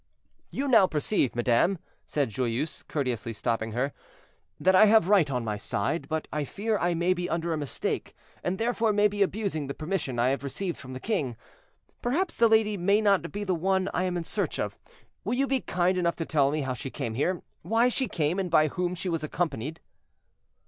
"You now perceive, madame," said Joyeuse, courteously stopping her, "that I have right on my side; but I fear I may be under a mistake, and therefore may be abusing the permission I have received from the king. Perhaps the lady may not be the one I am in search of; will you be kind enough to tell me how she came here, why she came, and by whom she was accompanied?"